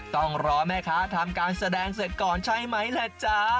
ต้องรอแม่ค้าทำการแสดงเสร็จก่อนใช่ไหมล่ะจ๊ะ